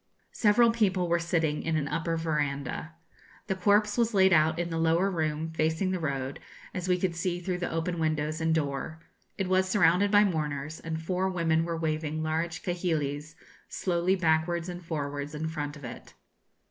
Several people were sitting in an upper verandah. The corpse was laid out in the lower room, facing the road, as we could see through the open windows and door. It was surrounded by mourners, and four women were waving large kahilis slowly backwards and forwards in front of it.